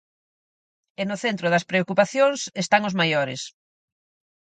E no centro das preocupacións están os maiores.